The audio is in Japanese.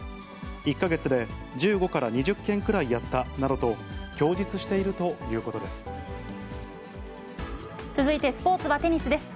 １か月で１５から２０件くらいやったなどと、供述しているという続いてスポーツはテニスです。